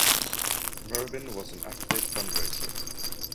Merwin was an active fundraiser.